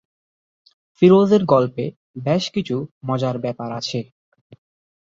ফিরোজের গল্পে বেশ কিছু মজার ব্যাপার আছে।